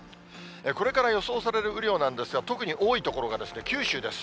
これから予想される雨量なんですが、特に多い所が九州です。